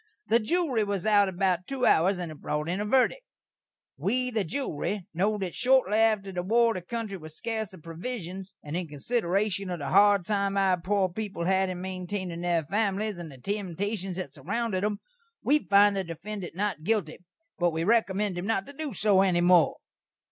The jewry was out about two hours and brot in a verdik: "We, the jewry, know that shortly atter the war the kountry was scarce of provishuns, and in considerashun of the hard time our poor peepul had in maintainin' their families, and the temtashuns that surrounded 'em, we find the defendant not guilty, but we rekommend him not to do so any more."